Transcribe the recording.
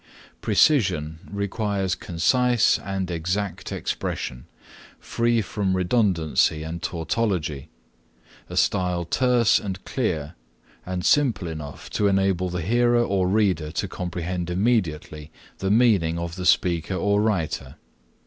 Precision requires concise and exact expression, free from redundancy and tautology, a style terse and clear and simple enough to enable the hearer or reader to comprehend immediately the meaning of the speaker or writer.